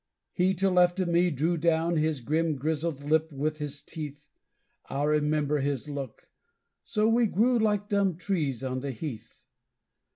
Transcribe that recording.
He to left of me drew down his grim grizzled lip with his teeth, I remember his look; so we grew like dumb trees on the heath.